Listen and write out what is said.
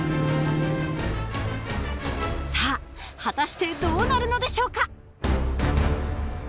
さあ果たしてどうなるのでしょうか？